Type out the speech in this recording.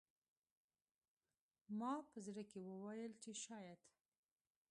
ما په زړه کې وویل چې شاید